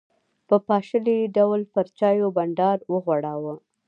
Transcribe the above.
په پاشلي ډول پر چایو بانډار وغوړاوه.